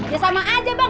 ya sama aja bang